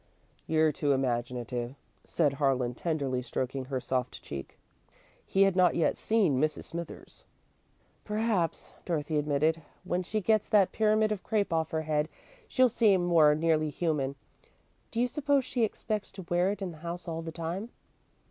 "You're too imaginative," said Harlan, tenderly, stroking her soft cheek. He had not yet seen Mrs. Smithers. "Perhaps," Dorothy admitted, "when she gets that pyramid of crape off her head, she'll seem more nearly human. Do you suppose she expects to wear it in the house all the time?"